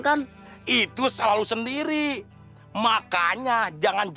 tati tati udah lukis birth volunteering in me